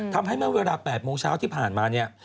เมื่อเวลา๘โมงเช้าที่ผ่านมาเนี่ย